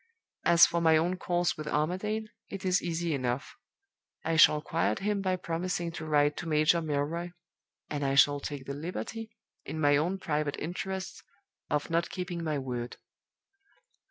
As for my own course with Armadale, it is easy enough. I shall quiet him by promising to write to Major Milroy; and I shall take the liberty, in my own private interests, of not keeping my word.